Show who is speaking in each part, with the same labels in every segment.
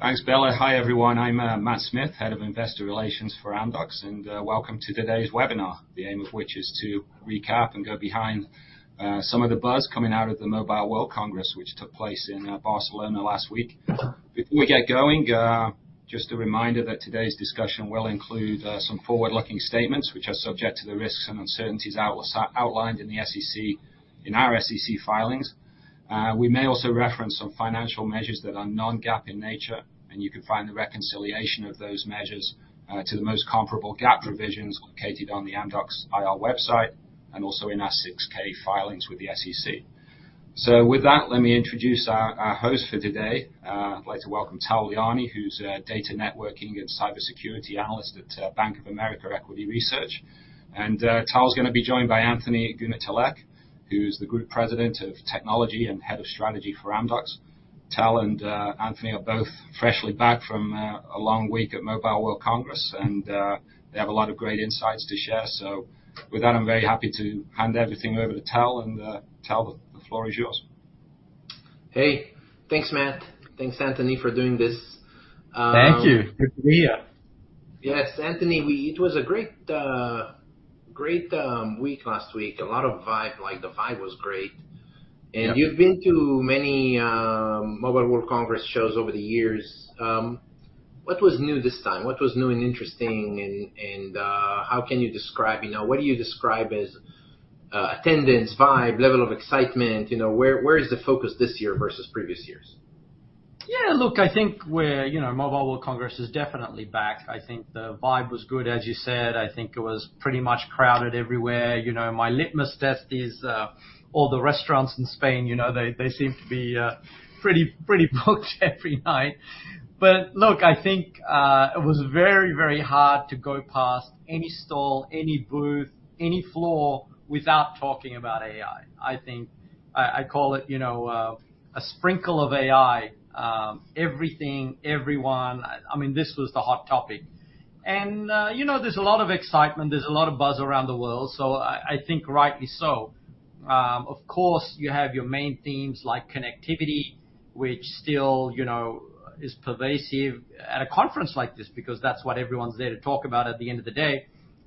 Speaker 1: Thanks, Bella. Hi everyone. I'm Matt Smith, Head of Investor Relations for Amdocs, and welcome to today's webinar, the aim of which is to recap and go behind some of the buzz coming out of the Mobile World Congress, which took place in Barcelona last week. Before we get going, just a reminder that today's discussion will include some forward-looking statements which are subject to the risks and uncertainties outlined in the SEC in our SEC filings. We may also reference some financial measures that are non-GAAP in nature, and you can find the reconciliation of those measures to the most comparable GAAP provisions located on the Amdocs IR website and also in our 6-K filings with the SEC. So with that, let me introduce our host for today. I'd like to welcome Tal Liani, who's Data Networking and Cybersecurity Analyst at Bank of America Equity Research. Tal's gonna be joined by Anthony Goonetilleke, who's the Group President of Technology and Head of Strategy for Amdocs. Tal and Anthony are both freshly back from a long week at Mobile World Congress, and they have a lot of great insights to share. So with that, I'm very happy to hand everything over to Tal, and Tal, the floor is yours.
Speaker 2: Hey. Thanks, Matt. Thanks, Anthony, for doing this.
Speaker 3: Thank you. Good to be here.
Speaker 2: Yes, Anthony, it was a great, great week last week. A lot of vibe, like, the vibe was great.
Speaker 3: Yeah.
Speaker 2: You've been to many Mobile World Congress shows over the years. What was new this time? What was new and interesting, and how can you describe, you know, what you describe as attendance, vibe, level of excitement? You know, where is the focus this year versus previous years?
Speaker 3: Yeah, look, I think we're, you know, Mobile World Congress is definitely back. I think the vibe was good, as you said. I think it was pretty much crowded everywhere. You know, my litmus test is, all the restaurants in Spain, you know, they, they seem to be, pretty, pretty booked every night. But look, I think, it was very, very hard to go past any stall, any booth, any floor without talking about AI. I think I, I call it, you know, a sprinkle of AI, everything, everyone. I mean, this was the hot topic. And, you know, there's a lot of excitement. There's a lot of buzz around the world, so I, I think rightly so. Of course, you have your main themes like connectivity, which still, you know, is pervasive at a conference like this because that's what everyone's there to talk about at the end of the day.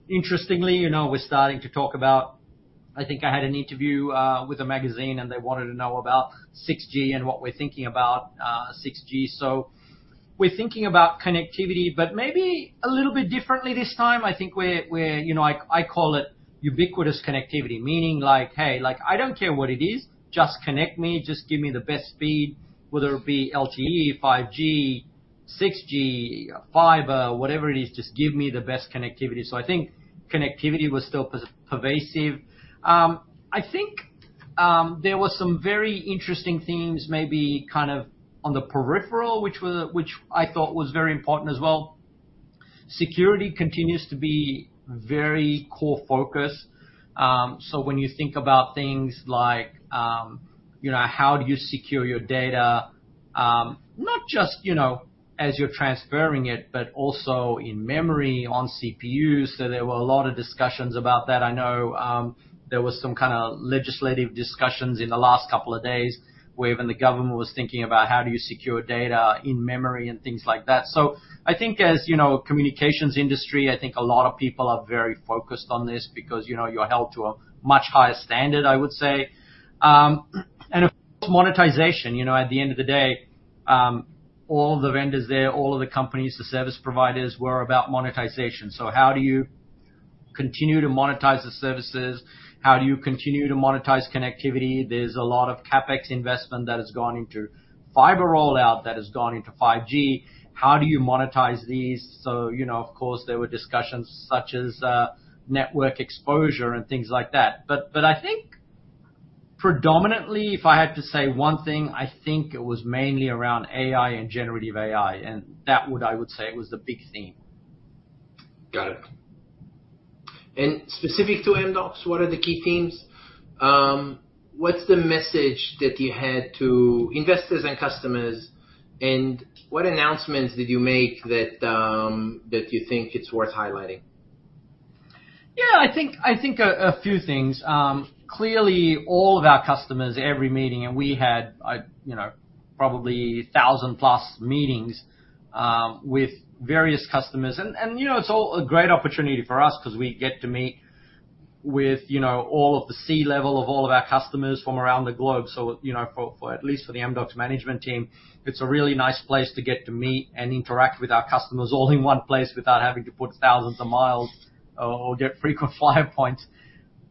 Speaker 3: Interestingly, you know, we're starting to talk about. I think I had an interview with a magazine, and they wanted to know about 6G and what we're thinking about 6G. So we're thinking about connectivity, but maybe a little bit differently this time. I think we're you know, I call it ubiquitous connectivity, meaning, like, hey, like, I don't care what it is. Just connect me. Just give me the best speed, whether it be LTE, 5G, 6G, fiber, whatever it is. Just give me the best connectivity. So I think connectivity was still pervasive. I think there were some very interesting themes, maybe kind of on the periphery, which I thought was very important as well. Security continues to be a very core focus. So when you think about things like, you know, how do you secure your data, not just, you know, as you're transferring it, but also in memory, on CPUs. So there were a lot of discussions about that. I know there were some kinda legislative discussions in the last couple of days where even the government was thinking about how do you secure data in memory and things like that. So I think, as, you know, communications industry, I think a lot of people are very focused on this because, you know, you're held to a much higher standard, I would say. And of course, monetization. You know, at the end of the day, all of the vendors there, all of the companies, the service providers, were about monetization. So how do you continue to monetize the services? How do you continue to monetize connectivity? There's a lot of CapEx investment that has gone into fiber rollout that has gone into 5G. How do you monetize these? So, you know, of course, there were discussions such as, network exposure and things like that. But I think predominantly, if I had to say one thing, I think it was mainly around AI and generative AI. And that would I would say it was the big theme.
Speaker 2: Got it. And specific to Amdocs, what are the key themes? What's the message that you had to investors and customers, and what announcements did you make that you think it's worth highlighting?
Speaker 3: Yeah, I think I think a few things. Clearly, all of our customers, every meeting and we had, you know, probably 1,000+ meetings with various customers. And, and, you know, it's all a great opportunity for us 'cause we get to meet with, you know, all of the C-level of all of our customers from around the globe. So, you know, for, for at least for the Amdocs management team, it's a really nice place to get to meet and interact with our customers all in one place without having to put thousands of miles or, or get frequent flyer points.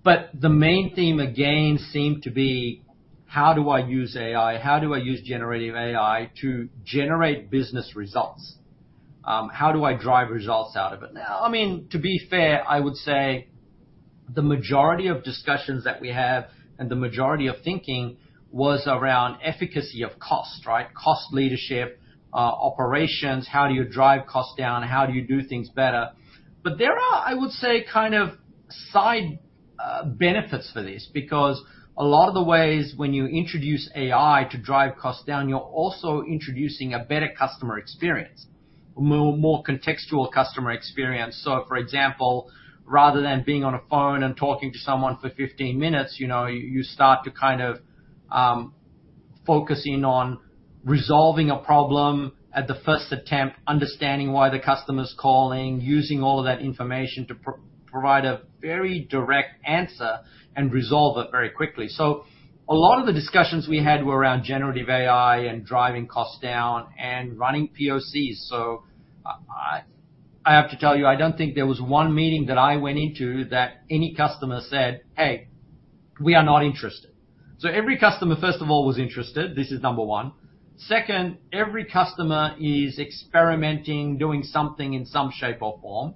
Speaker 3: But the main theme, again, seemed to be, how do I use AI? How do I use generative AI to generate business results? How do I drive results out of it? Now, I mean, to be fair, I would say the majority of discussions that we have and the majority of thinking was around efficacy of cost, right? Cost leadership, operations, how do you drive costs down? How do you do things better? But there are, I would say, kind of side, benefits for this because a lot of the ways, when you introduce AI to drive costs down, you're also introducing a better customer experience, more, more contextual customer experience. So, for example, rather than being on a phone and talking to someone for 15 minutes, you know, you, you start to kind of, focus in on resolving a problem at the first attempt, understanding why the customer's calling, using all of that information to provide a very direct answer and resolve it very quickly. So a lot of the discussions we had were around generative AI and driving costs down and running POCs. So, I, I have to tell you, I don't think there was one meeting that I went into that any customer said, "Hey, we are not interested." So every customer, first of all, was interested. This is number one. Second, every customer is experimenting, doing something in some shape or form.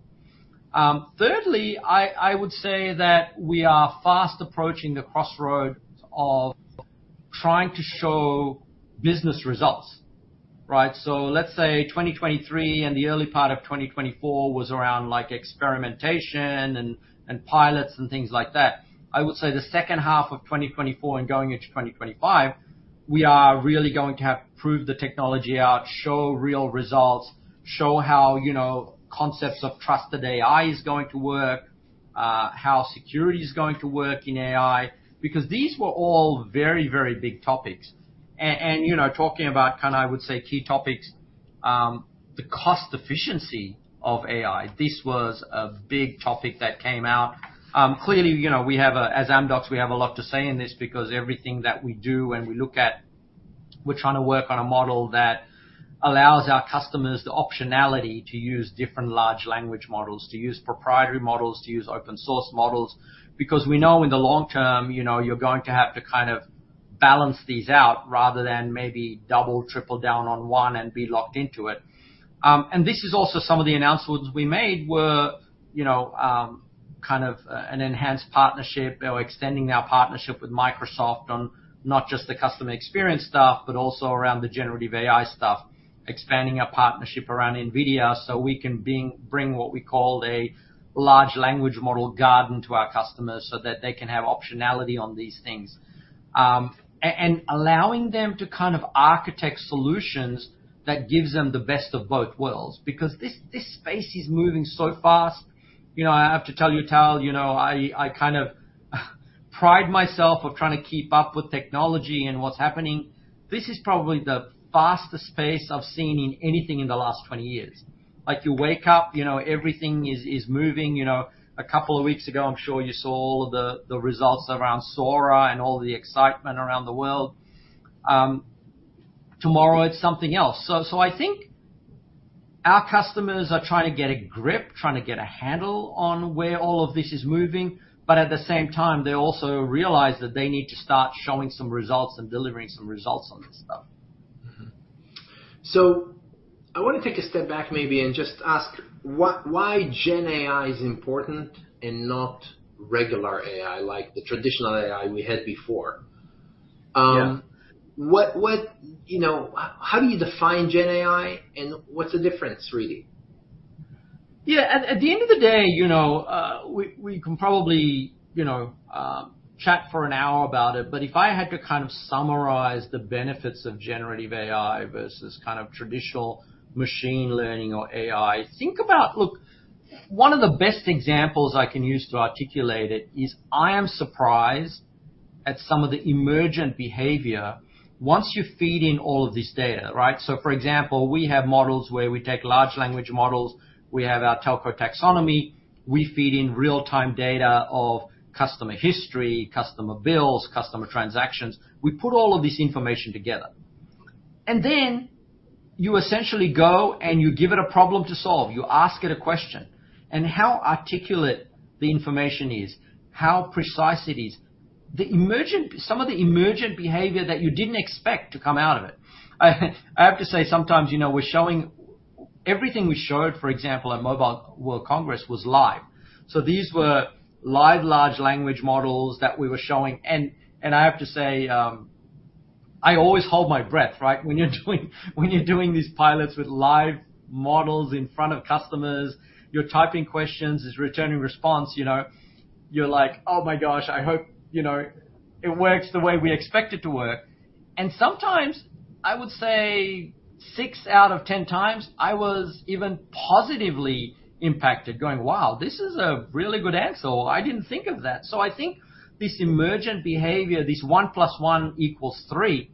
Speaker 3: Thirdly, I, I would say that we are fast approaching the crossroads of trying to show business results, right? So let's say 2023 and the early part of 2024 was around, like, experimentation and, and pilots and things like that. I would say the second half of 2024 and going into 2025, we are really going to have to prove the technology out, show real results, show how, you know, concepts of trusted AI is going to work, how security's going to work in AI because these were all very, very big topics. And, you know, talking about kinda, I would say, key topics, the cost efficiency of AI, this was a big topic that came out. Clearly, you know, we have, as Amdocs, we have a lot to say in this because everything that we do and we look at, we're trying to work on a model that allows our customers the optionality to use different large language models, to use proprietary models, to use open-source models because we know in the long term, you know, you're going to have to kind of balance these out rather than maybe double, triple down on one and be locked into it. And this is also some of the announcements we made were, you know, kind of, an enhanced partnership or extending our partnership with Microsoft on not just the customer experience stuff but also around the generative AI stuff, expanding our partnership around NVIDIA so we can bring what we call a large language model garden to our customers so that they can have optionality on these things. And allowing them to kind of architect solutions that gives them the best of both worlds because this, this space is moving so fast. You know, I have to tell you, Tal, you know, I kind of pride myself of trying to keep up with technology and what's happening. This is probably the fastest space I've seen in anything in the last 20 years. Like, you wake up, you know, everything is moving. You know, a couple of weeks ago, I'm sure you saw all of the, the results around Sora and all of the excitement around the world. Tomorrow, it's something else. So, so I think our customers are trying to get a grip, trying to get a handle on where all of this is moving, but at the same time, they also realize that they need to start showing some results and delivering some results on this stuff.
Speaker 2: So I wanna take a step back maybe and just ask, what, why Gen AI is important and not regular AI, like the traditional AI we had before?
Speaker 3: Yeah.
Speaker 2: What, you know, how do you define Gen AI, and what's the difference, really?
Speaker 3: Yeah, at the end of the day, you know, we can probably, you know, chat for an hour about it. But if I had to kind of summarize the benefits of generative AI versus kind of traditional machine learning or AI, think about look, one of the best examples I can use to articulate it is I am surprised at some of the emergent behavior once you feed in all of this data, right? So, for example, we have models where we take large language models. We have our telco taxonomy. We feed in real-time data of customer history, customer bills, customer transactions. We put all of this information together. And then you essentially go, and you give it a problem to solve. You ask it a question. And how articulate the information is, how precise it is, the emergent some of the emergent behavior that you didn't expect to come out of it. I, I have to say, sometimes, you know, we're showing everything we showed, for example, at Mobile World Congress was live. So these were live large language models that we were showing. And, and I have to say, I always hold my breath, right, when you're doing when you're doing these pilots with live models in front of customers, you're typing questions, it's returning response, you know, you're like, "Oh, my gosh. I hope, you know, it works the way we expect it to work." And sometimes, I would say, 6 out of 10 times, I was even positively impacted going, "Wow, this is a really good answer. I didn't think of that." So I think this emergent behavior, this 1 + 1 = 3,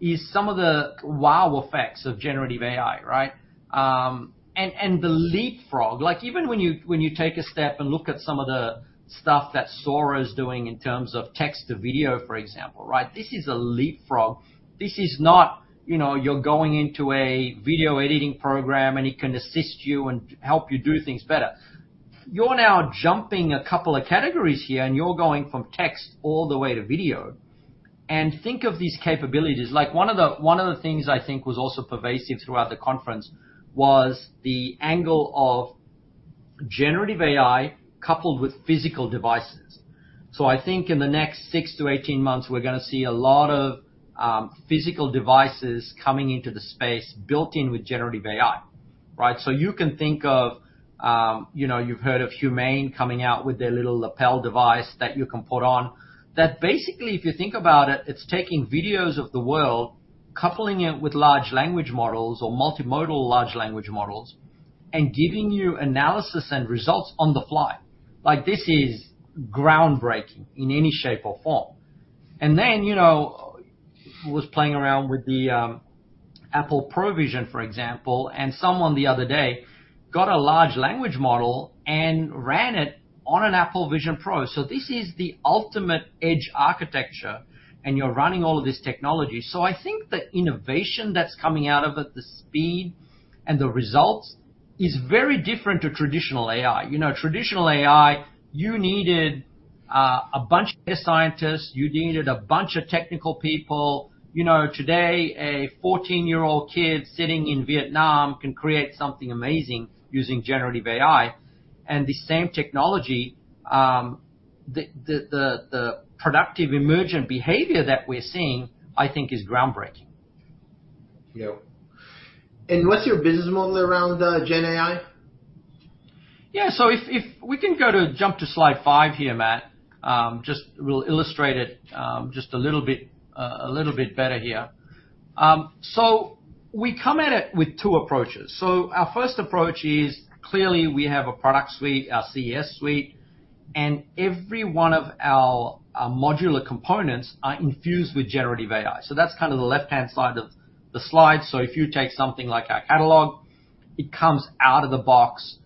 Speaker 3: is some of the wow effects of generative AI, right? And the leapfrog. Like, even when you take a step and look at some of the stuff that Sora's doing in terms of text to video, for example, right, this is a leapfrog. This is not, you know, you're going into a video editing program, and it can assist you and help you do things better. You're now jumping a couple of categories here, and you're going from text all the way to video. And think of these capabilities. Like, one of the things I think was also pervasive throughout the conference was the angle of generative AI coupled with physical devices. So I think in the next six to 18 months, we're gonna see a lot of physical devices coming into the space built in with generative AI, right? So you can think of, you know, you've heard of Humane coming out with their little lapel device that you can put on that basically, if you think about it, it's taking videos of the world, coupling it with large language models or multimodal large language models, and giving you analysis and results on the fly. Like, this is groundbreaking in any shape or form. And then, you know, I was playing around with the Apple Vision Pro, for example, and someone the other day got a large language model and ran it on an Apple Vision Pro. So this is the ultimate edge architecture, and you're running all of this technology. So I think the innovation that's coming out of it, the speed, and the results is very different to traditional AI. You know, traditional AI, you needed a bunch of data scientists. You needed a bunch of technical people. You know, today, a 14-year-old kid sitting in Vietnam can create something amazing using generative AI. And the same technology, the productive emergent behavior that we're seeing, I think, is groundbreaking.
Speaker 2: Yep. And what's your business model around Gen AI?
Speaker 3: Yeah, so if we can go to jump to slide 5 here, Matt, just we'll illustrate it, just a little bit, a little bit better here. So we come at it with two approaches. So our first approach is, clearly, we have a product suite, our CES suite, and every one of our modular components are infused with generative AI. So that's kinda the left-hand side of the slide. So if you take something like our catalog, it comes out of the box,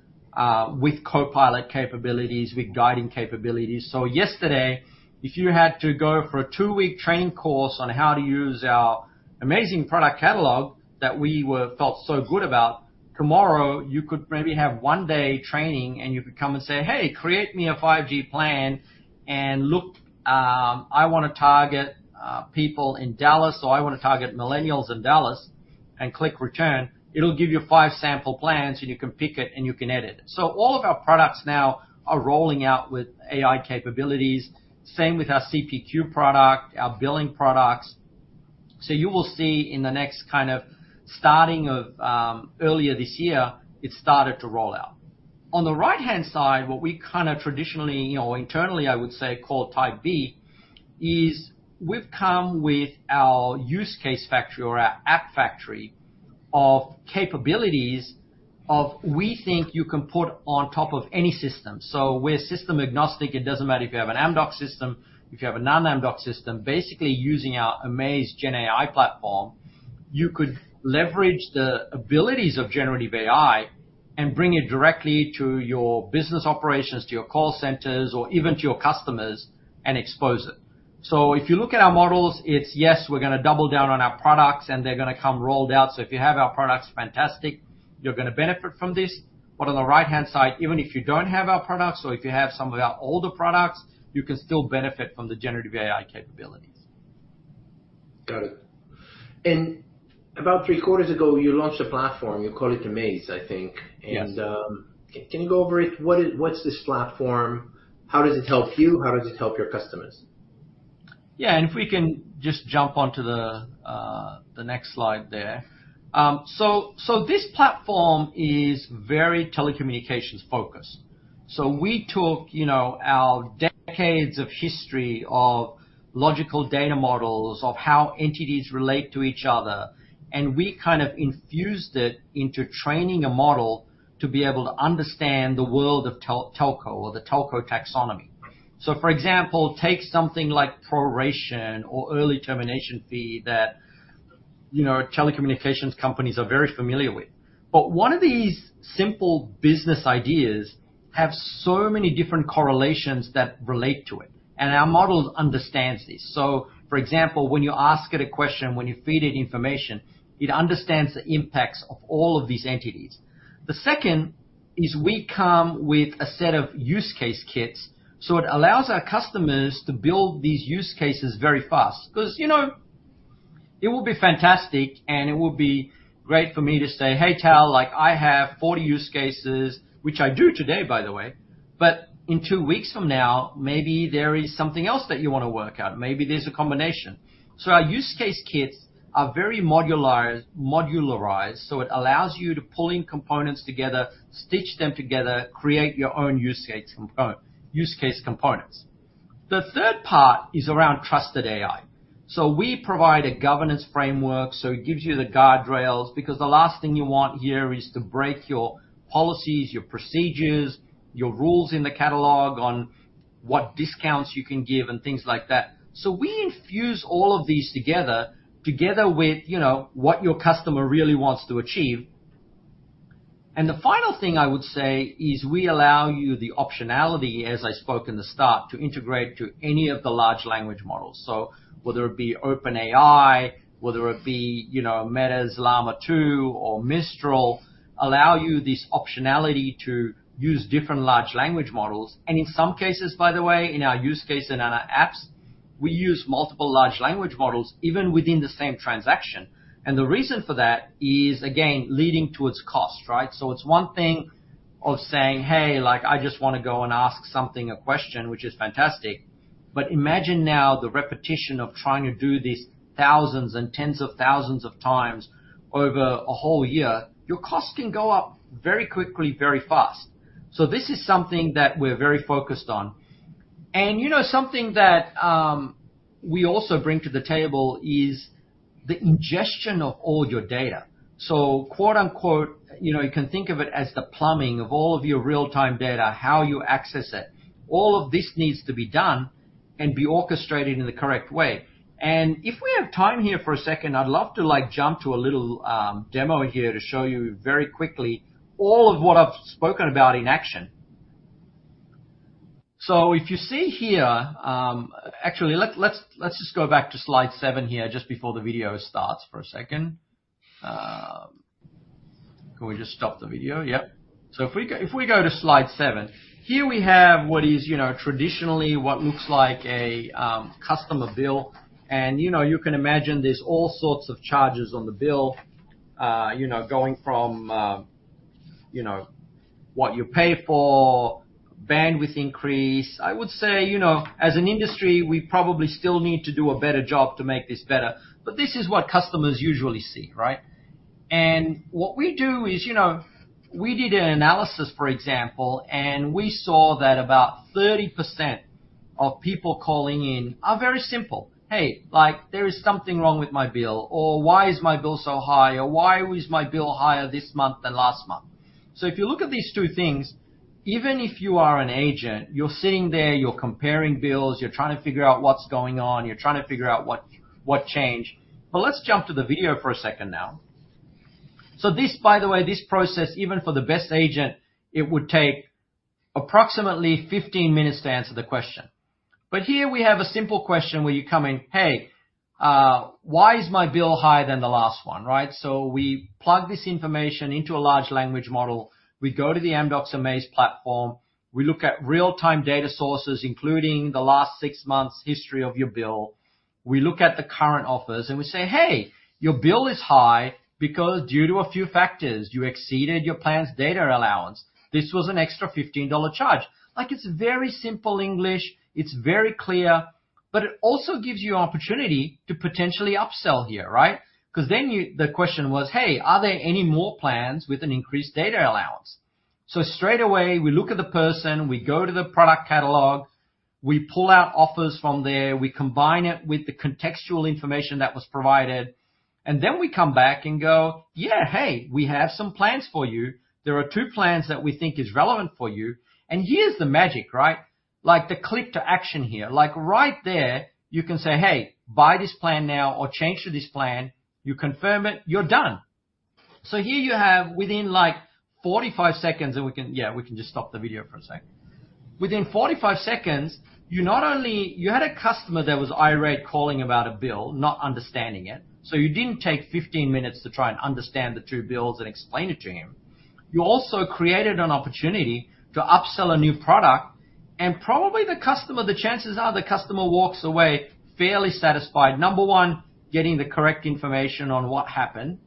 Speaker 3: with Copilot capabilities, with guiding capabilities. So yesterday, if you had to go for a 2-week training course on how to use our amazing product catalog that we were felt so good about, tomorrow, you could maybe have 1-day training, and you could come and say, "Hey, create me a 5G plan and look, I wanna target people in Dallas, or I wanna target millennials in Dallas," and click return. It'll give you 5 sample plans, and you can pick it, and you can edit it. So all of our products now are rolling out with AI capabilities, same with our CPQ product, our billing products. So you will see in the next kind of starting of, earlier this year, it started to roll out. On the right-hand side, what we kinda traditionally, you know, internally, I would say, call Type B is we've come with our use case factory or our app factory of capabilities of we think you can put on top of any system. So we're system-agnostic. It doesn't matter if you have an Amdocs system, if you have a non-Amdocs system. Basically, using our amAIz Gen AI platform, you could leverage the abilities of generative AI and bring it directly to your business operations, to your call centers, or even to your customers and expose it. So if you look at our models, it's, yes, we're gonna double down on our products, and they're gonna come rolled out. So if you have our products, fantastic. You're gonna benefit from this. But on the right-hand side, even if you don't have our products or if you have some of our older products, you can still benefit from the generative AI capabilities.
Speaker 2: Got it. About three quarters ago, you launched a platform. You call it amAIz, I think. And,
Speaker 3: Yes.
Speaker 2: Can you go over it? What's this platform? How does it help you? How does it help your customers?
Speaker 3: Yeah, and if we can just jump onto the next slide there. So this platform is very telecommunications-focused. So we took, you know, our decades of history of logical data models, of how entities relate to each other, and we kind of infused it into training a model to be able to understand the world of telco or the telco taxonomy. So, for example, take something like proration or early termination fee that, you know, telecommunications companies are very familiar with. But one of these simple business ideas has so many different correlations that relate to it, and our model understands this. So, for example, when you ask it a question, when you feed it information, it understands the impacts of all of these entities. The second is we come with a set of use case kits. So it allows our customers to build these use cases very fast, 'cause, you know, it will be fantastic, and it will be great for me to say, "Hey, Tal, like, I have 40 use cases," which I do today, by the way, "but in 2 weeks from now, maybe there is something else that you wanna work out. Maybe there's a combination." So our use case kits are very modularized, modularized, so it allows you to pull in components together, stitch them together, create your own use case components. The third part is around trusted AI. So we provide a governance framework, so it gives you the guardrails because the last thing you want here is to break your policies, your procedures, your rules in the catalog on what discounts you can give, and things like that. So we infuse all of these together, together with, you know, what your customer really wants to achieve. And the final thing I would say is we allow you the optionality, as I spoke in the start, to integrate to any of the large language models. So whether it be OpenAI, whether it be, you know, Meta's Llama 2, or Mistral, allow you this optionality to use different large language models. And in some cases, by the way, in our use case and in our apps, we use multiple large language models even within the same transaction. And the reason for that is, again, leading towards cost, right? So it's one thing of saying, "Hey, like, I just wanna go and ask something, a question," which is fantastic. But imagine now the repetition of trying to do this thousands and tens of thousands of times over a whole year. Your cost can go up very quickly, very fast. So this is something that we're very focused on. And, you know, something that, we also bring to the table is the ingestion of all your data. So quote-unquote, you know, you can think of it as the plumbing of all of your real-time data, how you access it. All of this needs to be done and be orchestrated in the correct way. And if we have time here for a second, I'd love to, like, jump to a little demo here to show you very quickly all of what I've spoken about in action. So if you see here, actually, let's just go back to slide 7 here just before the video starts for a second. Can we just stop the video? Yep. So if we go to slide 7, here we have what is, you know, traditionally what looks like a customer bill. And, you know, you can imagine there's all sorts of charges on the bill, you know, going from, you know, what you pay for bandwidth increase. I would say, you know, as an industry, we probably still need to do a better job to make this better. But this is what customers usually see, right? What we do is, you know, we did an analysis, for example, and we saw that about 30% of people calling in are very simple, "Hey, like, there is something wrong with my bill," or, "Why is my bill so high?" or, "Why is my bill higher this month than last month?" So if you look at these two things, even if you are an agent, you're sitting there, you're comparing bills, you're trying to figure out what's going on, you're trying to figure out what, what changed. But let's jump to the video for a second now. So this, by the way, this process, even for the best agent, it would take approximately 15 minutes to answer the question. But here, we have a simple question where you come in, "Hey, why is my bill higher than the last one?" Right? So we plug this information into a large language model. We go to the Amdocs amAIz platform. We look at real-time data sources, including the last six months' history of your bill. We look at the current offers, and we say, "Hey, your bill is high because, due to a few factors, you exceeded your plan's data allowance. This was an extra $15 charge." Like, it's very simple English. It's very clear. But it also gives you an opportunity to potentially upsell here, right? 'Cause then the question was, "Hey, are there any more plans with an increased data allowance?" So straight away, we look at the person, we go to the product catalog, we pull out offers from there, we combine it with the contextual information that was provided, and then we come back and go, "Yeah, hey, we have some plans for you. There are two plans that we think are relevant for you." And here's the magic, right? Like, the click to action here. Like, right there, you can say, "Hey, buy this plan now," or, "Change to this plan." You confirm it. You're done. So here you have, within, like, 45 seconds and we can yeah, we can just stop the video for a sec. Within 45 seconds, you not only you had a customer that was irate calling about a bill, not understanding it. So you didn't take 15 minutes to try and understand the two bills and explain it to him. You also created an opportunity to upsell a new product. And probably the customer, the chances are the customer walks away fairly satisfied, number one, getting the correct information on what happened,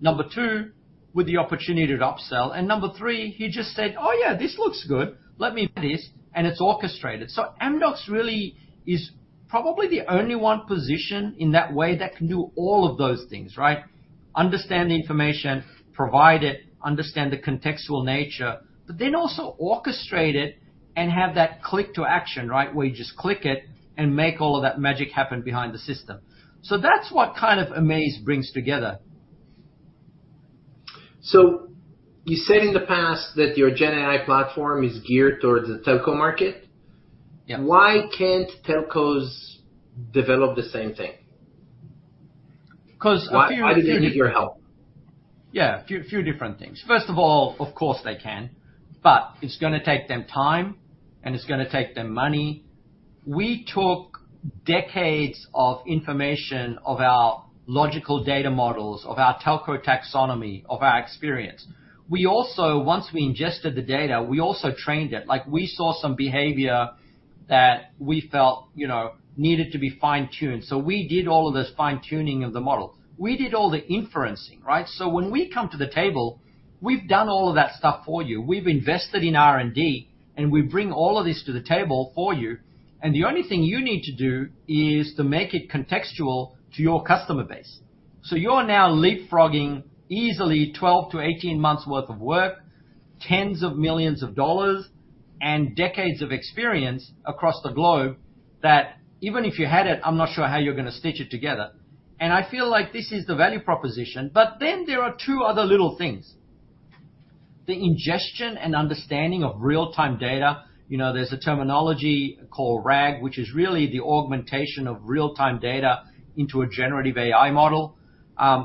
Speaker 3: number two, with the opportunity to upsell, and number three, he just said, "Oh, yeah, this looks good. Let me do this," and it's orchestrated. So Amdocs really is probably the only one positioned in that way that can do all of those things, right? Understand the information, provide it, understand the contextual nature, but then also orchestrate it and have that click to action, right, where you just click it and make all of that magic happen behind the system. So that's what kind of amAIz brings together.
Speaker 2: You said in the past that your Gen AI platform is geared toward the telco market.
Speaker 3: Yep.
Speaker 2: Why can't telcos develop the same thing?
Speaker 3: 'Cause a few different.
Speaker 2: Why do they need your help?
Speaker 3: Yeah, a few different things. First of all, of course, they can, but it's gonna take them time, and it's gonna take them money. We took decades of information of our logical data models, of our telco taxonomy, of our experience. We also once we ingested the data, we also trained it. Like, we saw some behavior that we felt, you know, needed to be fine-tuned. So we did all of this fine-tuning of the model. We did all the inferencing, right? So when we come to the table, we've done all of that stuff for you. We've invested in R&D, and we bring all of this to the table for you. And the only thing you need to do is to make it contextual to your customer base. So you're now leapfrogging easily 12-18 months' worth of work, tens of millions of dollars, and decades of experience across the globe that even if you had it, I'm not sure how you're gonna stitch it together. I feel like this is the value proposition. Then there are two other little things. The ingestion and understanding of real-time data. You know, there's a terminology called RAG, which is really the augmentation of real-time data into a generative AI model.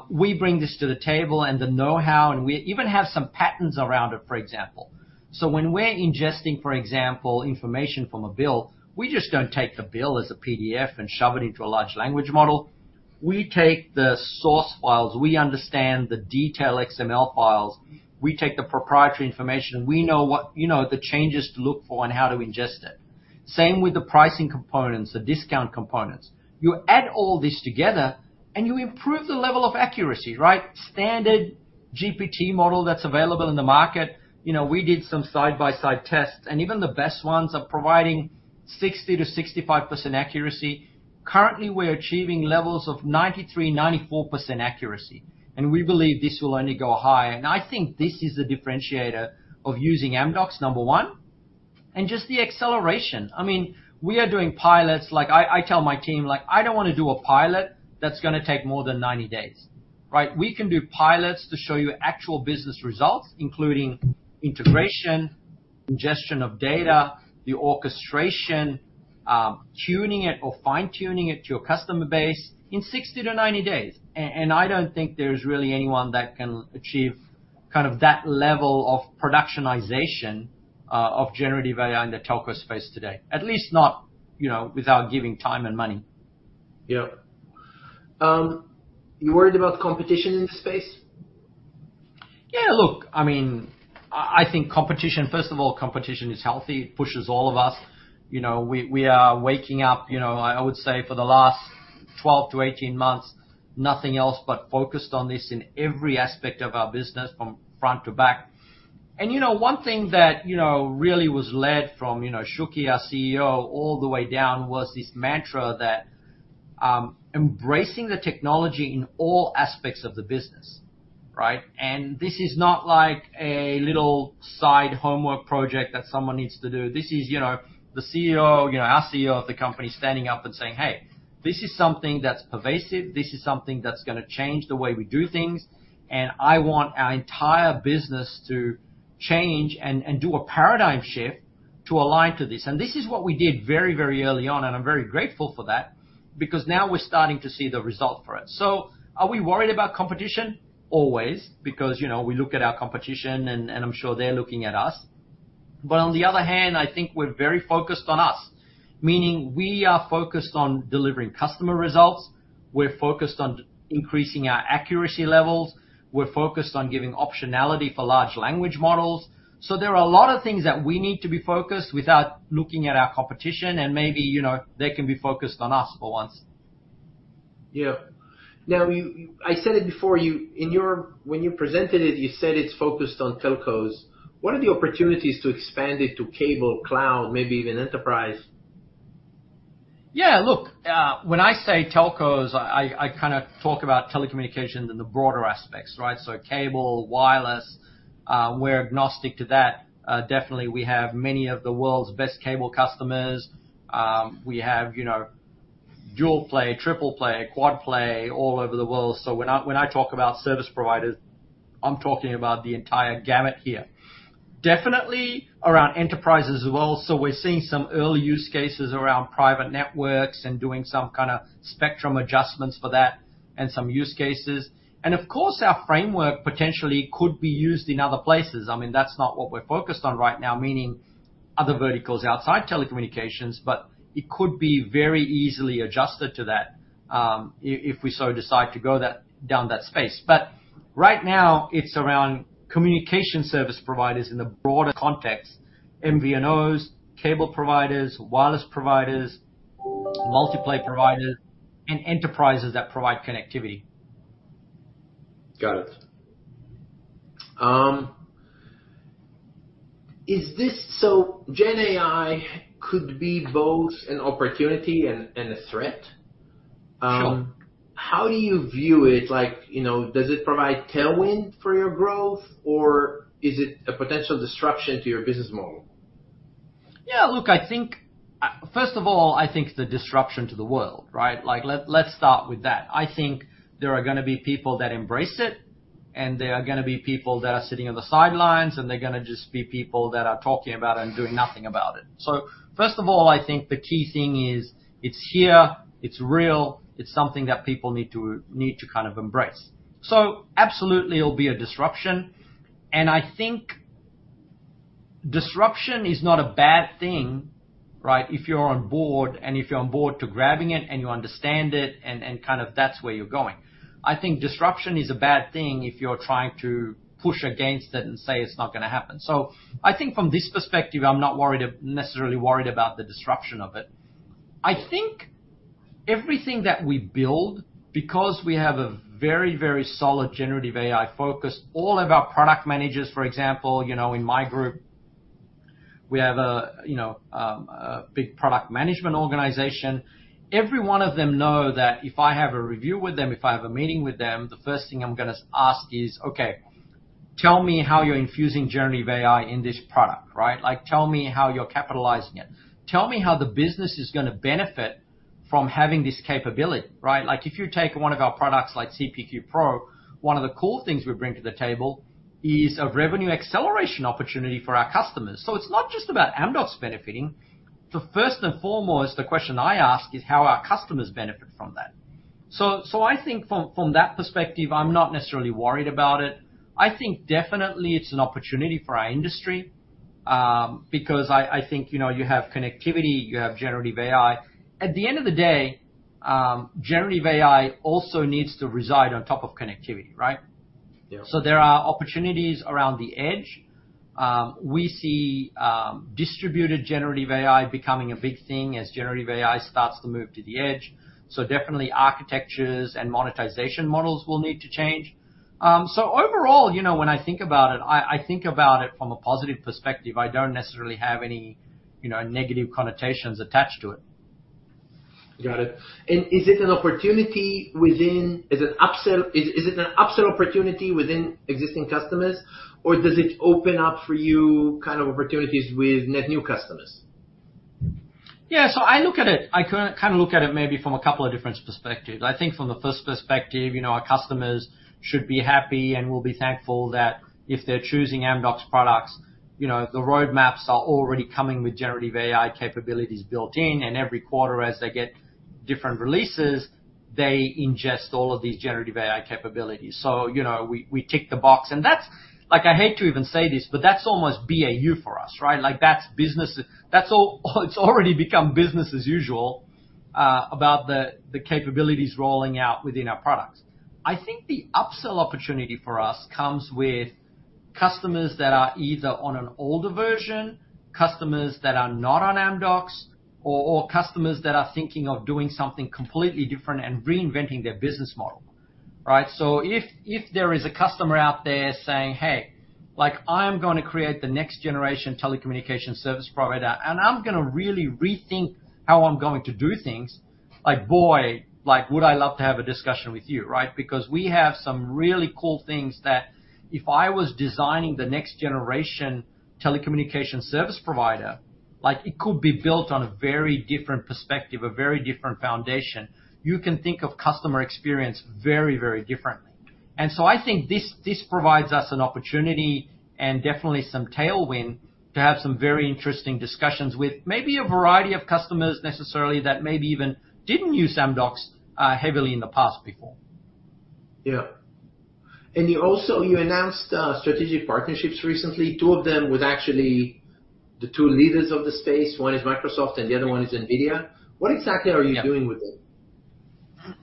Speaker 3: We bring this to the table and the know-how, and we even have some patterns around it, for example. So when we're ingesting, for example, information from a bill, we just don't take the bill as a PDF and shove it into a large language model. We take the source files. We understand the detail XML files. We take the proprietary information. We know what, you know, the changes to look for and how to ingest it. Same with the pricing components, the discount components. You add all this together, and you improve the level of accuracy, right? Standard GPT model that's available in the market. You know, we did some side-by-side tests, and even the best ones are providing 60%-65% accuracy. Currently, we're achieving levels of 93%-94% accuracy. And we believe this will only go higher. And I think this is the differentiator of using Amdocs, number one, and just the acceleration. I mean, we are doing pilots. Like, I, I tell my team, like, "I don't wanna do a pilot that's gonna take more than 90 days," right? We can do pilots to show you actual business results, including integration, ingestion of data, the orchestration, tuning it or fine-tuning it to your customer base in 60-90 days. And I don't think there's really anyone that can achieve kind of that level of productionization, of generative AI in the telco space today, at least not, you know, without giving time and money.
Speaker 2: Yep. You're worried about competition in the space?
Speaker 3: Yeah, look, I mean, I, I think competition first of all, competition is healthy. It pushes all of us. You know, we, we are waking up you know, I, I would say for the last 12-18 months, nothing else but focused on this in every aspect of our business from front to back. And, you know, one thing that, you know, really was led from, you know, Shuky, our CEO, all the way down was this mantra that, embracing the technology in all aspects of the business, right? And this is not like a little side homework project that someone needs to do. This is, you know, the CEO, you know, our CEO of the company standing up and saying, "Hey, this is something that's pervasive. This is something that's gonna change the way we do things. And I want our entire business to change and do a paradigm shift to align to this." And this is what we did very, very early on, and I'm very grateful for that because now we're starting to see the result for it. So are we worried about competition? Always because, you know, we look at our competition, and I'm sure they're looking at us. But on the other hand, I think we're very focused on us, meaning we are focused on delivering customer results. We're focused on increasing our accuracy levels. We're focused on giving optionality for large language models. So there are a lot of things that we need to be focused without looking at our competition, and maybe, you know, they can be focused on us for once.
Speaker 2: Yep. Now, you I said it before. You, in your when you presented it, you said it's focused on telcos. What are the opportunities to expand it to cable, cloud, maybe even enterprise?
Speaker 3: Yeah, look, when I say telcos, I kinda talk about telecommunications and the broader aspects, right? So cable, wireless, we're agnostic to that. Definitely, we have many of the world's best cable customers. We have, you know, dual play, triple play, quad play all over the world. So when I talk about service providers, I'm talking about the entire gamut here, definitely around enterprises as well. So we're seeing some early use cases around private networks and doing some kinda spectrum adjustments for that and some use cases. And of course, our framework potentially could be used in other places. I mean, that's not what we're focused on right now, meaning other verticals outside telecommunications, but it could be very easily adjusted to that, if we so decide to go down that space. Right now, it's around communication service providers in the broader context, MVNOs, cable providers, wireless providers, multiplay providers, and enterprises that provide connectivity.
Speaker 2: Got it. Is this so Gen AI could be both an opportunity and, and a threat.
Speaker 3: Sure.
Speaker 2: How do you view it? Like, you know, does it provide tailwind for your growth, or is it a potential disruption to your business model?
Speaker 3: Yeah, look, I think, first of all, I think it's a disruption to the world, right? Like, let's start with that. I think there are gonna be people that embrace it, and there are gonna be people that are sitting on the sidelines, and they're gonna just be people that are talking about it and doing nothing about it. So first of all, I think the key thing is it's here. It's real. It's something that people need to kind of embrace. So absolutely, it'll be a disruption. And I think disruption is not a bad thing, right, if you're on board and if you're on board to grabbing it and you understand it and, and kind of that's where you're going. I think disruption is a bad thing if you're trying to push against it and say it's not gonna happen. So I think from this perspective, I'm not necessarily worried about the disruption of it. I think everything that we build because we have a very, very solid generative AI focus, all of our product managers, for example, you know, in my group, we have a, you know, a big product management organization. Every one of them know that if I have a review with them, if I have a meeting with them, the first thing I'm gonna ask is, "Okay, tell me how you're infusing generative AI in this product," right? Like, "Tell me how you're capitalizing it. Tell me how the business is gonna benefit from having this capability," right? Like, if you take one of our products, like CPQ Pro, one of the cool things we bring to the table is a revenue acceleration opportunity for our customers. So it's not just about Amdocs benefiting. First and foremost, the question I ask is how our customers benefit from that. So I think from that perspective, I'm not necessarily worried about it. I think definitely, it's an opportunity for our industry, because I think, you know, you have connectivity. You have generative AI. At the end of the day, generative AI also needs to reside on top of connectivity, right?
Speaker 2: Yep.
Speaker 3: So there are opportunities around the edge. We see distributed generative AI becoming a big thing as generative AI starts to move to the edge. So definitely, architectures and monetization models will need to change. So overall, you know, when I think about it, I, I think about it from a positive perspective. I don't necessarily have any, you know, negative connotations attached to it.
Speaker 2: Got it. And is it an upsell opportunity within existing customers, or does it open up for you kind of opportunities with net new customers?
Speaker 3: Yeah, so I look at it. I kinda look at it maybe from a couple of different perspectives. I think from the first perspective, you know, our customers should be happy and will be thankful that if they're choosing Amdocs products, you know, the roadmaps are already coming with generative AI capabilities built in. Every quarter, as they get different releases, they ingest all of these generative AI capabilities. So, you know, we tick the box. And that's like, I hate to even say this, but that's almost BAU for us, right? Like, that's business that's all it's already become business as usual about the, the capabilities rolling out within our products. I think the upsell opportunity for us comes with customers that are either on an older version, customers that are not on Amdocs, or, or customers that are thinking of doing something completely different and reinventing their business model, right? So if, if there is a customer out there saying, "Hey, like, I am gonna create the next generation telecommunication service provider, and I'm gonna really rethink how I'm going to do things," like, boy, like, would I love to have a discussion with you, right? Because we have some really cool things that if I was designing the next generation telecommunication service provider, like, it could be built on a very different perspective, a very different foundation. You can think of customer experience very, very differently. And so I think this, this provides us an opportunity and definitely some tailwind to have some very interesting discussions with maybe a variety of customers necessarily that maybe even didn't use Amdocs heavily in the past before.
Speaker 2: Yep. And you also announced strategic partnerships recently. Two of them with actually the two leaders of the space. One is Microsoft, and the other one is NVIDIA. What exactly are you doing with them?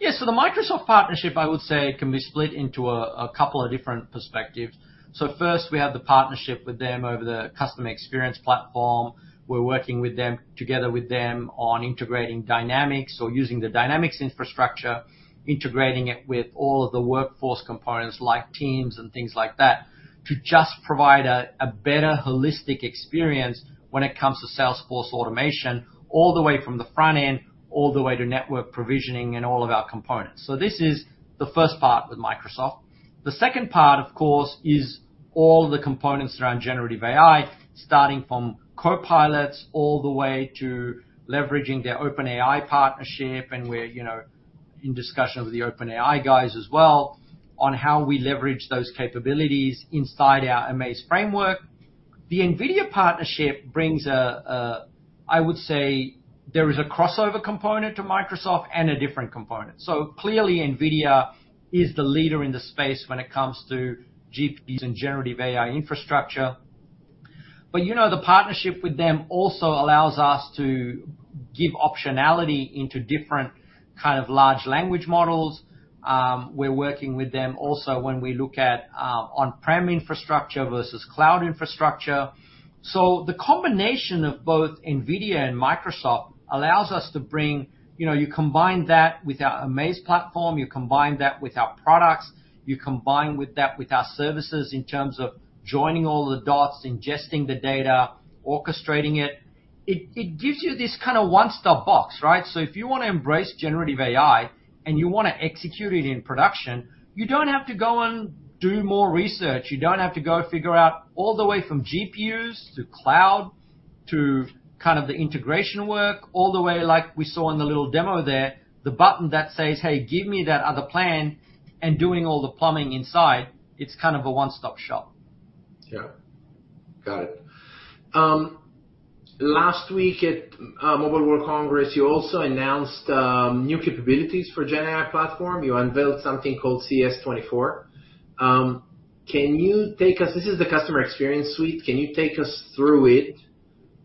Speaker 3: Yeah, so the Microsoft partnership, I would say, can be split into a couple of different perspectives. So first, we have the partnership with them over the customer experience platform. We're working with them together with them on integrating Dynamics or using the Dynamics infrastructure, integrating it with all of the workforce components like Teams and things like that to just provide a better holistic experience when it comes to salesforce automation all the way from the front end all the way to network provisioning and all of our components. So this is the first part with Microsoft. The second part, of course, is all of the components around generative AI, starting from Copilots all the way to leveraging their OpenAI partnership. And we're, you know, in discussion with the OpenAI guys as well on how we leverage those capabilities inside our amAIz framework. The NVIDIA partnership brings I would say there is a crossover component to Microsoft and a different component. So clearly, NVIDIA is the leader in the space when it comes to GPUs and generative AI infrastructure. But, you know, the partnership with them also allows us to give optionality into different kind of large language models. We're working with them also when we look at on-prem infrastructure versus cloud infrastructure. So the combination of both NVIDIA and Microsoft allows us to bring you know, you combine that with our amAIz platform. You combine that with our products. You combine that with our services in terms of joining all of the dots, ingesting the data, orchestrating it. It gives you this kinda one-stop box, right? So if you wanna embrace generative AI and you wanna execute it in production, you don't have to go and do more research. You don't have to go figure out all the way from GPUs to cloud to kind of the integration work all the way, like we saw in the little demo there, the button that says, "Hey, give me that other plan," and doing all the plumbing inside. It's kind of a one-stop shop.
Speaker 2: Yep. Got it. Last week at Mobile World Congress, you also announced new capabilities for Gen AI platform. You unveiled something called CES24. Can you take us? This is the Customer Experience Suite. Can you take us through it?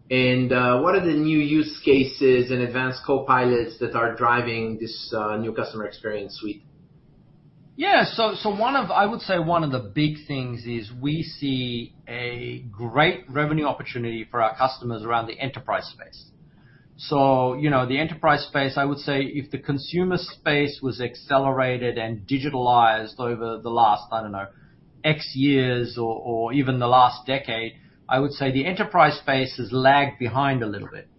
Speaker 2: And what are the new use cases and advanced Copilots that are driving this new Customer Experience Suite?
Speaker 3: Yeah, so one of, I would say, one of the big things is we see a great revenue opportunity for our customers around the enterprise space. So, you know, the enterprise space I would say if the consumer space was accelerated and digitalized over the last, I don't know, X years or, or even the last decade, I would say the enterprise space has lagged behind a little bit.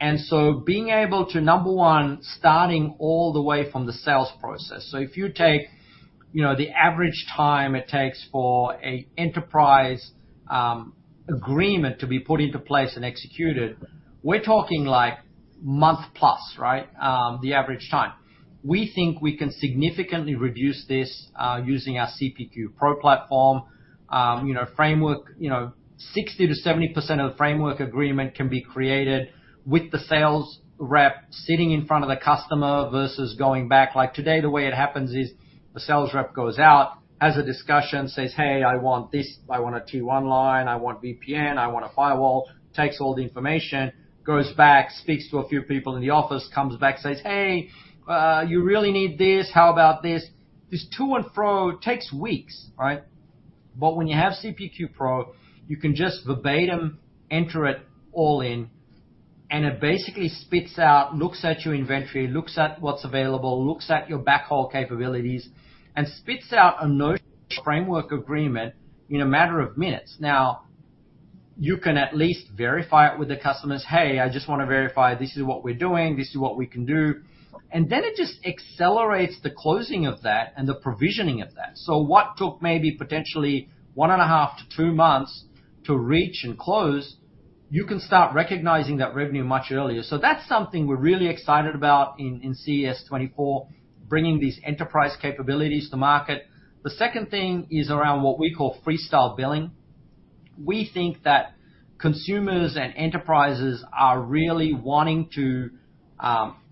Speaker 3: And so being able to, number one, starting all the way from the sales process so if you take, you know, the average time it takes for an enterprise agreement to be put into place and executed, we're talking, like, month-plus, right, the average time. We think we can significantly reduce this, using our CPQ Pro platform, you know, framework. You know, 60%-70% of the framework agreement can be created with the sales rep sitting in front of the customer versus going back. Like, today, the way it happens is the sales rep goes out, has a discussion, says, "Hey, I want this. I want a T1 line. I want VPN. I want a firewall," takes all the information, goes back, speaks to a few people in the office, comes back, says, "Hey, you really need this. How about this?" This to and fro takes weeks, right? But when you have CPQ pro, you can just verbatim enter it all in, and it basically spits out, looks at your inventory, looks at what's available, looks at your backhaul capabilities, and spits out a notion of framework agreement in a matter of minutes. Now, you can at least verify it with the customers, "Hey, I just wanna verify. This is what we're doing. This is what we can do." And then it just accelerates the closing of that and the provisioning of that. So what took maybe potentially 1.5-two months to reach and close, you can start recognizing that revenue much earlier. So that's something we're really excited about in CES24, bringing these enterprise capabilities to market. The second thing is around what we call Freestyle Billing. We think that consumers and enterprises are really wanting to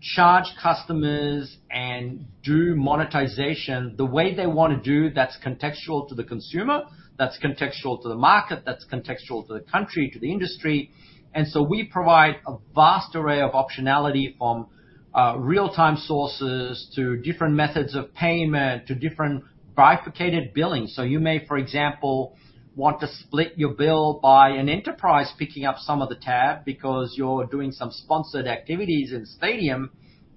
Speaker 3: charge customers and do monetization the way they wanna do. That's contextual to the consumer. That's contextual to the market. That's contextual to the country, to the industry. And so we provide a vast array of optionality from real-time sources to different methods of payment to different bifurcated billing. So you may, for example, want to split your bill by an enterprise picking up some of the tab because you're doing some sponsored activities in stadium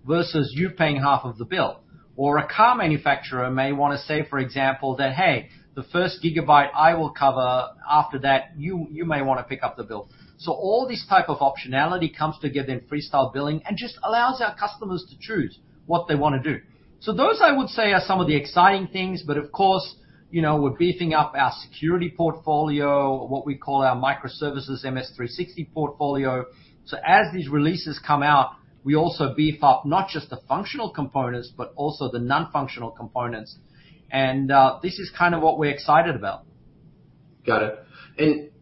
Speaker 3: versus you paying half of the bill. Or a car manufacturer may wanna, say, for example, that, "Hey, the first gigabyte I will cover after that, you may wanna pick up the bill." So all these type of optionality comes together in Freestyle Billing and just allows our customers to choose what they wanna do. So those, I would say, are some of the exciting things. But of course, you know, we're beefing up our security portfolio, what we call our microservices MS360 portfolio. So as these releases come out, we also beef up not just the functional components but also the nonfunctional components. And this is kind of what we're excited about.
Speaker 2: Got it.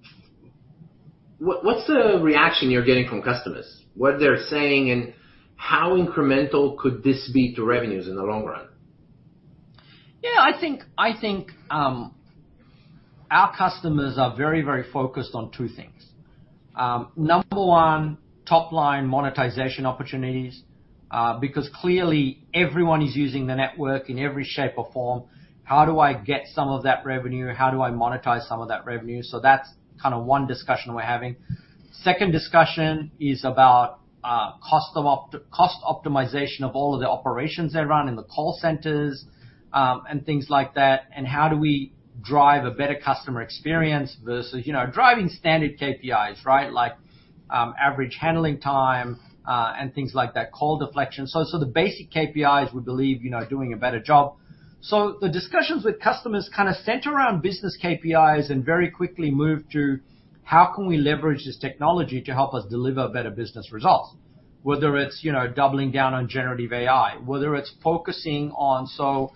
Speaker 2: What's the reaction you're getting from customers, what they're saying, and how incremental could this be to revenues in the long run?
Speaker 3: Yeah, I think, our customers are very, very focused on two things. Number one, top-line monetization opportunities, because clearly, everyone is using the network in every shape or form. How do I get some of that revenue? How do I monetize some of that revenue? So that's kinda one discussion we're having. Second discussion is about, cost optimization of all of the operations they run in the call centers, and things like that, and how do we drive a better customer experience versus, you know, driving standard KPIs, right, like, average handling time, and things like that, call deflection. So, so the basic KPIs, we believe, you know, doing a better job. So the discussions with customers kinda center around business KPIs and very quickly move to, how can we leverage this technology to help us deliver better business results, whether it's, you know, doubling down on generative AI, whether it's focusing on so,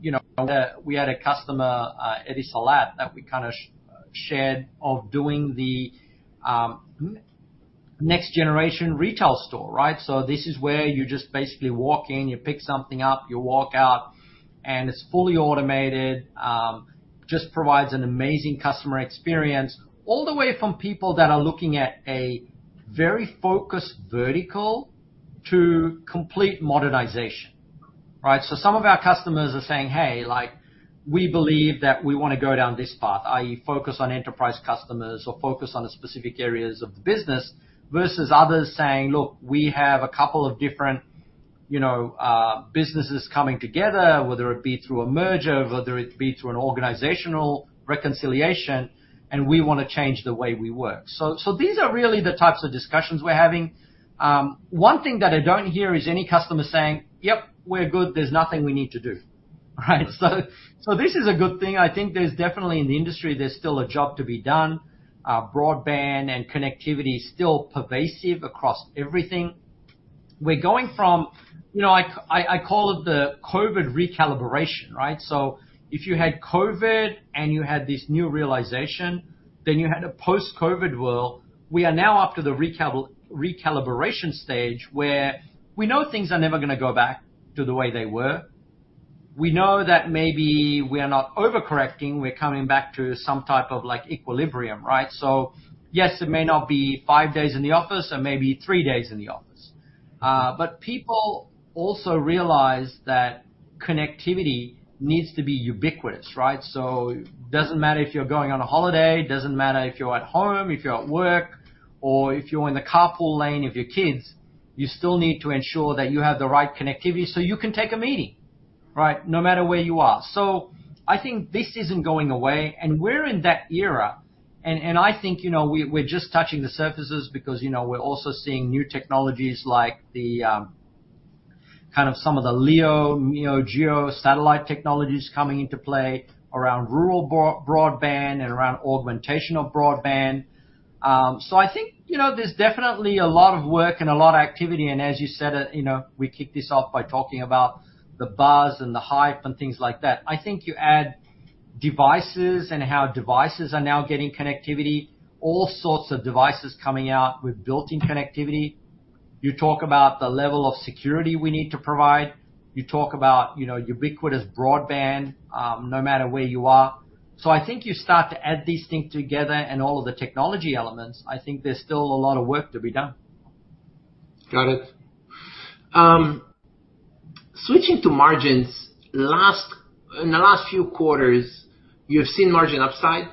Speaker 3: you know, we had a customer, Etisalat, that we kinda shared of doing the, next-generation retail store, right? So this is where you just basically walk in. You pick something up. You walk out. And it's fully automated. Just provides an amazing customer experience all the way from people that are looking at a very focused vertical to complete modernization, right? So some of our customers are saying, "Hey, like, we believe that we wanna go down this path," i.e., focus on enterprise customers or focus on specific areas of the business versus others saying, "Look, we have a couple of different, you know, businesses coming together, whether it be through a merger, whether it be through an organizational reconciliation, and we wanna change the way we work." So these are really the types of discussions we're having. One thing that I don't hear is any customer saying, "Yep, we're good. There's nothing we need to do," right? So this is a good thing. I think there's definitely in the industry, there's still a job to be done. Broadband and connectivity is still pervasive across everything. We're going from, you know, I call it the COVID recalibration, right? So if you had COVID, and you had this new realization, then you had a post-COVID world. We are now up to the recalibration stage where we know things are never gonna go back to the way they were. We know that maybe we are not overcorrecting. We're coming back to some type of, like, equilibrium, right? So yes, it may not be five days in the office or maybe three days in the office. But people also realize that connectivity needs to be ubiquitous, right? So it doesn't matter if you're going on a holiday. It doesn't matter if you're at home, if you're at work, or if you're in the carpool lane of your kids. You still need to ensure that you have the right connectivity so you can take a meeting, right, no matter where you are. So I think this isn't going away. We're in that era. And I think, you know, we're just touching the surfaces because, you know, we're also seeing new technologies like the, kind of some of the LEO, MEO, GEO satellite technologies coming into play around rural broadband and around augmentation of broadband. So I think, you know, there's definitely a lot of work and a lot of activity. And as you said, you know, we kicked this off by talking about the buzz and the hype and things like that. I think you add devices and how devices are now getting connectivity, all sorts of devices coming out with built-in connectivity. You talk about the level of security we need to provide. You talk about, you know, ubiquitous broadband, no matter where you are. So I think you start to add these things together and all of the technology elements. I think there's still a lot of work to be done.
Speaker 2: Got it. Switching to margins, in the last few quarters, you've seen margin upside.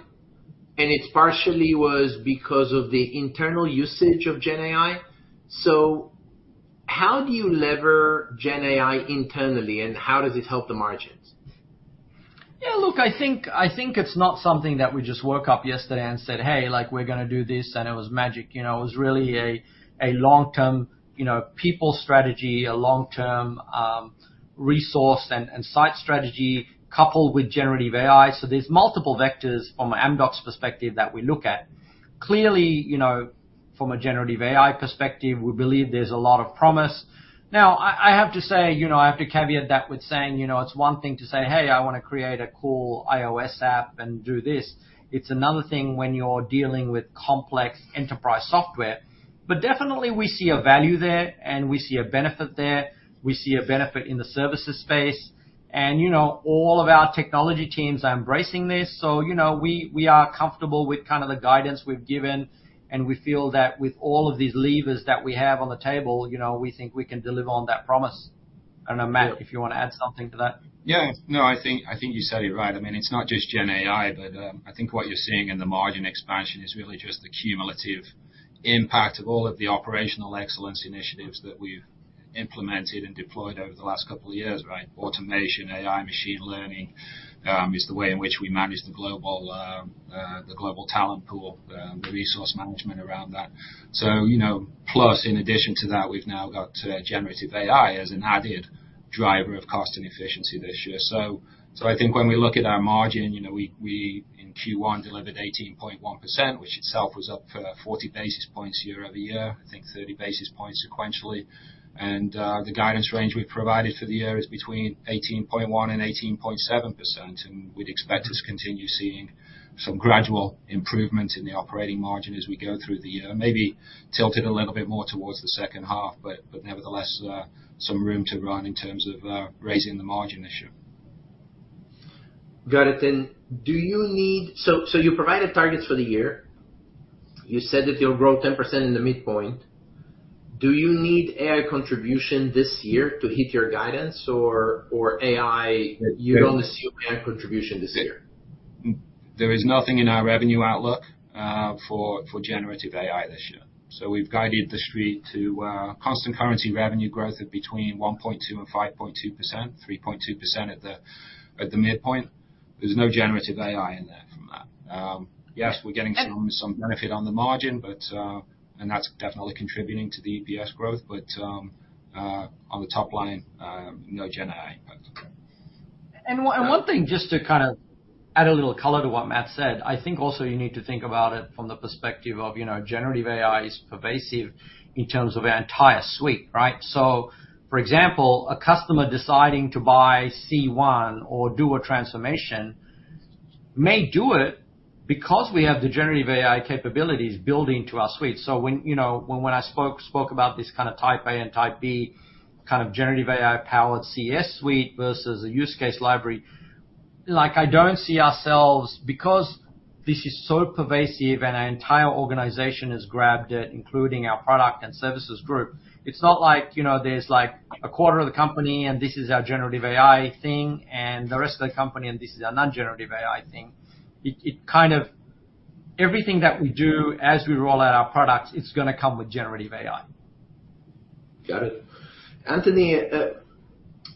Speaker 2: And it partially was because of the internal usage of Gen AI. So how do you leverage Gen AI internally, and how does it help the margins?
Speaker 3: Yeah, look, I think I think it's not something that we just woke up yesterday and said, "Hey, like, we're gonna do this," and it was magic. You know, it was really a, a long-term, you know, people strategy, a long-term, resource and, and site strategy coupled with generative AI. So there's multiple vectors from an Amdocs perspective that we look at. Clearly, you know, from a generative AI perspective, we believe there's a lot of promise. Now, I, I have to say, you know, I have to caveat that with saying, you know, it's one thing to say, "Hey, I wanna create a cool iOS app and do this." It's another thing when you're dealing with complex enterprise software. But definitely, we see a value there, and we see a benefit there. We see a benefit in the services space. And, you know, all of our technology teams are embracing this. So, you know, we, we are comfortable with kinda the guidance we've given. And we feel that with all of these levers that we have on the table, you know, we think we can deliver on that promise. I don't know, Matt, if you wanna add something to that.
Speaker 1: Yeah. No, I think I think you said it right. I mean, it's not just Gen AI. But I think what you're seeing in the margin expansion is really just the cumulative impact of all of the operational excellence initiatives that we've implemented and deployed over the last couple of years, right, automation, AI, machine learning, is the way in which we manage the global, the global talent pool, the resource management around that. So, you know, plus, in addition to that, we've now got generative AI as an added driver of cost and efficiency this year. So, so I think when we look at our margin, you know, we, we in Q1 delivered 18.1%, which itself was up 40 basis points year-over-year, I think 30 basis points sequentially. And the guidance range we provided for the year is between 18.1% and 18.7%. We'd expect to continue seeing some gradual improvements in the operating margin as we go through the year, maybe tilted a little bit more towards the second half, but nevertheless, some room to run in terms of raising the margin this year.
Speaker 2: Got it. Then do you need, so you provided targets for the year. You said that you'll grow 10% in the midpoint. Do you need AI contribution this year to hit your guidance, or AI you don't assume AI contribution this year?
Speaker 1: There is nothing in our revenue outlook for generative AI this year. So we've guided the street to constant currency revenue growth of between 1.2% and 5.2%, 3.2% at the midpoint. There's no generative AI in there from that. Yes, we're getting some benefit on the margin, and that's definitely contributing to the EPS growth. But on the top line, no Gen AI impact.
Speaker 3: And one thing, just to kinda add a little color to what Matt said, I think, also, you need to think about it from the perspective of, you know, generative AI is pervasive in terms of our entire suite, right? So, for example, a customer deciding to buy C1 or do a transformation may do it because we have the generative AI capabilities built into our suite. So when, you know, when I spoke about this kinda Type A and Type B kind of generative AI-powered CES suite versus a use case library, like, I don't see ourselves because this is so pervasive, and our entire organization has grabbed it, including our product and services group. It's not like, you know, there's, like, a quarter of the company, and this is our generative AI thing, and the rest of the company, and this is our non-generative AI thing. It kind of everything that we do as we roll out our products; it's gonna come with generative AI.
Speaker 2: Got it. Anthony,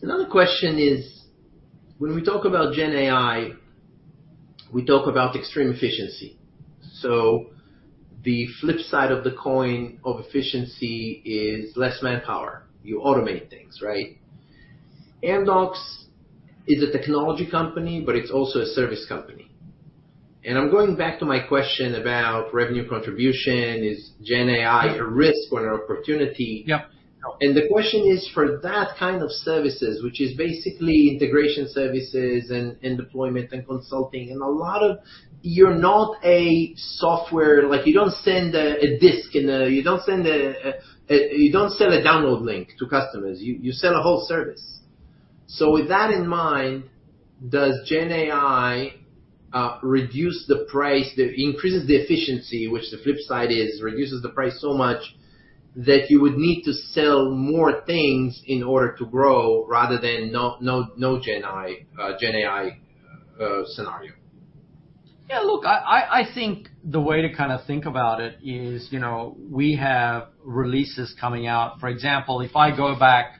Speaker 2: another question is, when we talk about Gen AI, we talk about extreme efficiency. So the flip side of the coin of efficiency is less manpower. You automate things, right? Amdocs is a technology company, but it's also a service company. I'm going back to my question about revenue contribution. Is Gen AI a risk or an opportunity?
Speaker 3: Yep.
Speaker 2: The question is, for that kind of services, which is basically integration services and deployment and consulting, and a lot of you're not software like, you don't send a disk and you don't sell a download link to customers. You sell a whole service. So with that in mind, does Gen AI reduce the price? It increases the efficiency, which the flip side is, reduces the price so much that you would need to sell more things in order to grow rather than no, no, no Gen AI, Gen AI scenario?
Speaker 3: Yeah, look, I think the way to kinda think about it is, you know, we have releases coming out. For example, if I go back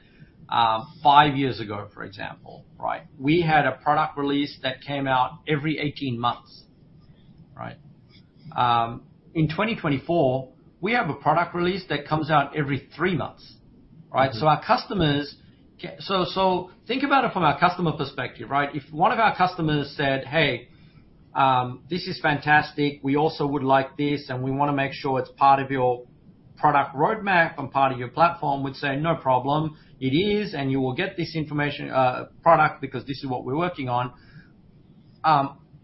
Speaker 3: five years ago, for example, right, we had a product release that came out every 18 months, right? In 2024, we have a product release that comes out every three months, right? So our customers think about it from our customer perspective, right? If one of our customers said, "Hey, this is fantastic. We also would like this, and we wanna make sure it's part of your product roadmap and part of your platform," we'd say, "No problem. It is, and you will get this information, product because this is what we're working on."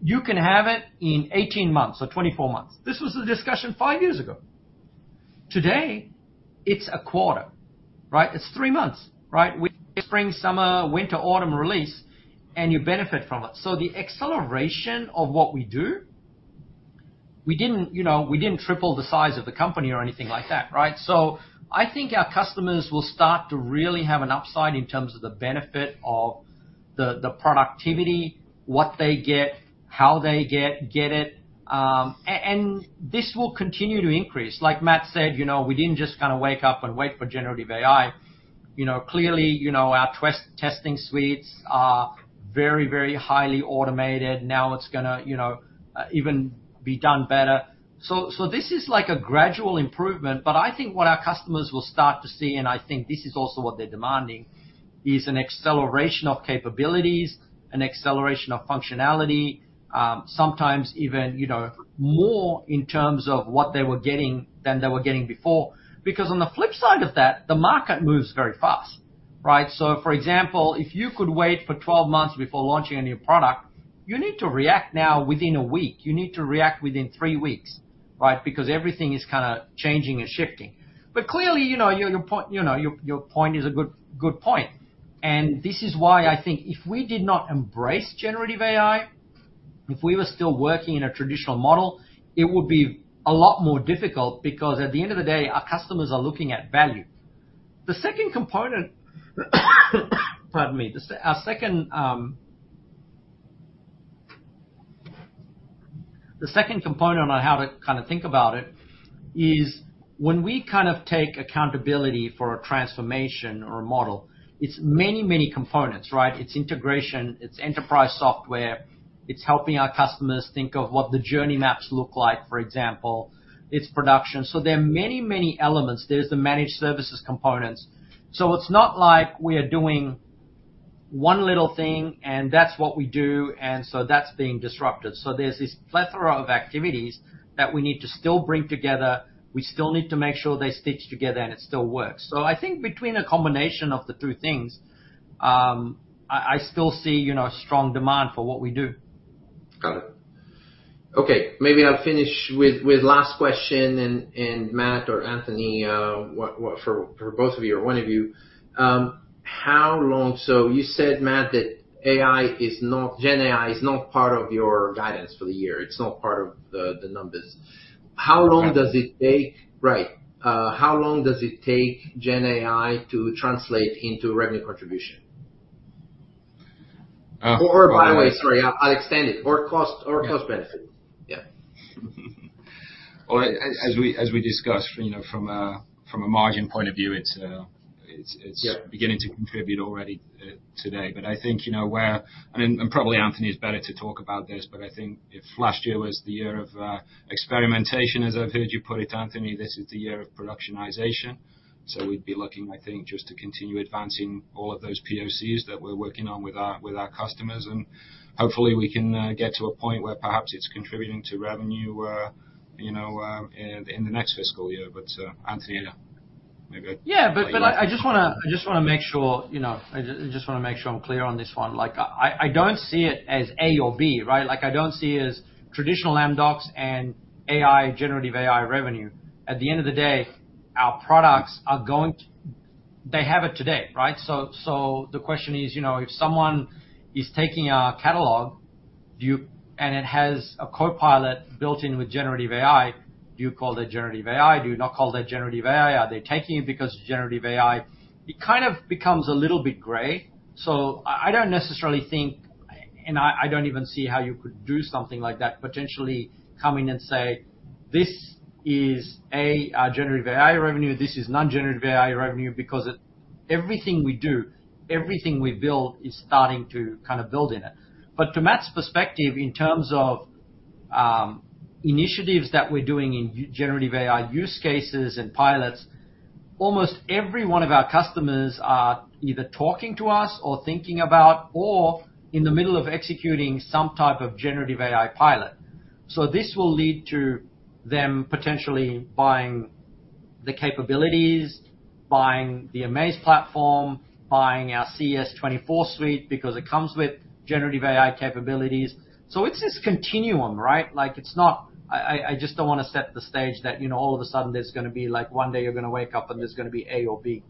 Speaker 3: You can have it in 18 months or 24 months. This was the discussion five years ago. Today, it's a quarter, right? It's three months, right? We spring, summer, winter, autumn release, and you benefit from it. So the acceleration of what we do, we didn't you know, we didn't triple the size of the company or anything like that, right? So I think our customers will start to really have an upside in terms of the benefit of the, the productivity, what they get, how they get it. And this will continue to increase. Like Matt said, you know, we didn't just kinda wake up and wait for generative AI. You know, clearly, you know, our test testing suites are very, very highly automated. Now, it's gonna, you know, even be done better. So this is, like, a gradual improvement. But I think what our customers will start to see—and I think this is also what they're demanding—is an acceleration of capabilities, an acceleration of functionality, sometimes even, you know, more in terms of what they were getting than they were getting before. Because on the flip side of that, the market moves very fast, right? So, for example, if you could wait for 12 months before launching a new product, you need to react now within a week. You need to react within 3 weeks, right, because everything is kinda changing and shifting. But clearly, you know, your point is a good point. This is why I think if we did not embrace generative AI, if we were still working in a traditional model, it would be a lot more difficult because, at the end of the day, our customers are looking at value. The second component, pardon me. The second component on how to kinda think about it is, when we kind of take accountability for a transformation or a model, it's many, many components, right? It's integration. It's enterprise software. It's helping our customers think of what the journey maps look like, for example. It's production. So there are many, many elements. There's the managed services components. So it's not like we are doing one little thing, and that's what we do, and so that's being disrupted. So there's this plethora of activities that we need to still bring together. We still need to make sure they stitch together, and it still works. So I think between a combination of the two things, I still see, you know, strong demand for what we do.
Speaker 2: Got it. Okay. Maybe I'll finish with last question and Matt or Anthony, what for both of you or one of you. How long, so you said, Matt, that AI is not. Gen AI is not part of your guidance for the year. It's not part of the numbers. How long does it take, right? How long does it take Gen AI to translate into revenue contribution? Or, by the way, sorry. I'll extend it. Or cost or cost benefit.
Speaker 1: Yeah. Yeah. Well, as we discussed, you know, from a margin point of view, it's.
Speaker 2: Yeah.
Speaker 1: Beginning to contribute already, today. But I think, you know, where and, and probably Anthony is better to talk about this. But I think if last year was the year of experimentation, as I've heard you put it, Anthony, this is the year of productionization. So we'd be looking, I think, just to continue advancing all of those POCs that we're working on with our with our customers. And hopefully, we can get to a point where perhaps it's contributing to revenue, you know, in the in the next fiscal year. But, Anthony, maybe I?
Speaker 3: Yeah, but I just wanna make sure you know, I just wanna make sure I'm clear on this one. Like, I don't see it as A or B, right? Like, I don't see it as traditional Amdocs and AI generative AI revenue. At the end of the day, our products are going to they have it today, right? So, the question is, you know, if someone is taking our catalog, do you, and it has a Copilot built in with generative AI, do you call that generative AI? Do you not call that generative AI? Are they taking it because generative AI, it kind of becomes a little bit gray. So I don't necessarily think and I don't even see how you could do something like that, potentially, coming and say, "This is A, generative AI revenue. This is non-generative AI revenue because it's everything we do, everything we build is starting to kinda build in it. But to Matt's perspective, in terms of initiatives that we're doing in generative AI use cases and pilots, almost every one of our customers are either talking to us or thinking about or in the middle of executing some type of generative AI pilot. So this will lead to them potentially buying the capabilities, buying the amAIz platform, buying our CES24 suite because it comes with generative AI capabilities. So it's this continuum, right? Like, it's not, I just don't wanna set the stage that, you know, all of a sudden, there's gonna be, like, one day, you're gonna wake up, and there's gonna be A or B.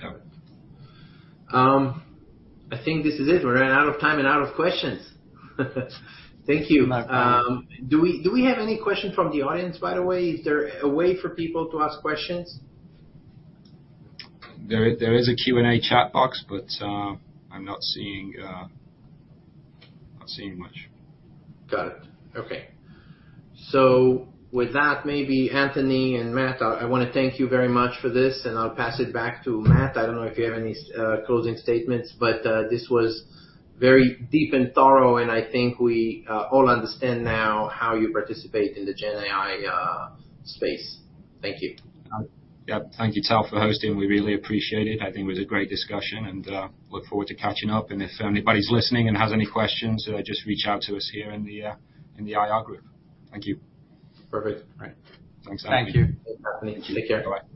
Speaker 1: Got it.
Speaker 2: I think this is it. We're running out of time and out of questions. Thank you.
Speaker 1: No problem.
Speaker 2: Do we have any question from the audience, by the way? Is there a way for people to ask questions?
Speaker 1: There is a Q&A chat box, but I'm not seeing much.
Speaker 2: Got it. Okay. So with that, maybe Anthony and Matt, I wanna thank you very much for this. And I'll pass it back to Matt. I don't know if you have any closing statements. But this was very deep and thorough. And I think we all understand now how you participate in the Gen AI space. Thank you.
Speaker 1: Yep. Thank you, Tal, for hosting. We really appreciate it. I think it was a great discussion. And look forward to catching up. And if anybody's listening and has any questions, just reach out to us here in the IR group. Thank you.
Speaker 2: Perfect.
Speaker 1: All right. Thanks, Anthony.
Speaker 3: Thank you.
Speaker 2: Take care.
Speaker 1: Take care. Bye-bye.